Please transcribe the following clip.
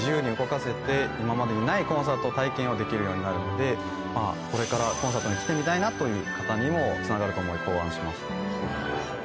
今までにないコンサート体験をできるようになるのでこれからコンサートに来てみたいなという方にもつながると思い考案しました。